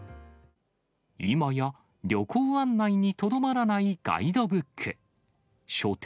今や旅行案内にとどまらないガイドブック。